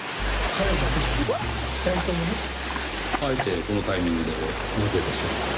彼だけじゃなく２人ともね。あえてこのタイミングでなぜでしょう？